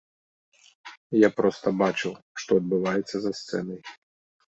Я проста бачыў, што адбываецца за сцэнай.